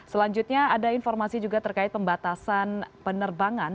selanjutnya ada informasi juga terkait pembatasan penerbangan